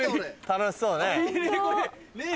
楽しそうね。ねぇ！